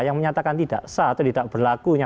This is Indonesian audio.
yang menyatakan tidak sah atau tidak berlakunya